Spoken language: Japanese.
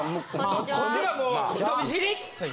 こっちがもう人見知り。